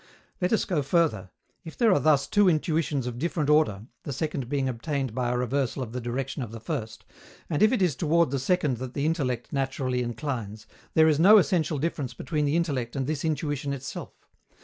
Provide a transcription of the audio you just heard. Let us go further: if there are thus two intuitions of different order (the second being obtained by a reversal of the direction of the first), and if it is toward the second that the intellect naturally inclines, there is no essential difference between the intellect and this intuition itself.